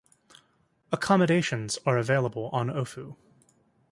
Accommodations are available on Ofu.